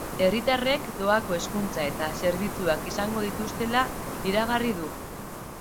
Herritarrek doako hezkuntza eta zerbitzuak izango dituztela iragarri du.